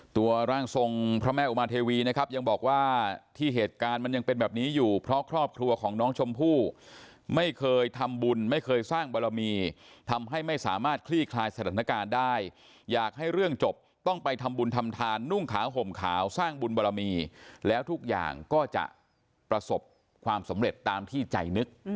ตัวร่างทรงพระแม่อุมาเทวีนะครับยังบอกว่าที่เหตุการณ์มันยังเป็นแบบนี้อยู่เพราะครอบครัวของน้องชมพู่ไม่เคยทำบุญไม่เคยสร้างบารมีทำให้ไม่สามารถคลี่คลายสถานการณ์ได้อยากให้เรื่องจบต้องไปทำบุญทำทานนุ่งขาวห่มขาวสร้างบุญบารมีแล้วทุกอย่างก็จะประสบความสำเร็จตามที่ใจนึก